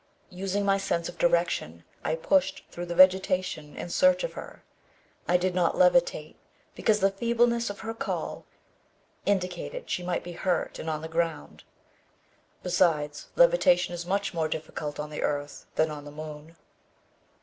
Using my sense of direction, I pushed through the vegetation in search of her. I did not levitate, because the feebleness of her call indicated she might be hurt and on the ground. Besides, levitation is much more difficult on the earth than on the moon.